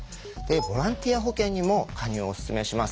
ボランティア保険にも加入をオススメします。